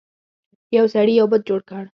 یو سړي یو بت جوړ کړ.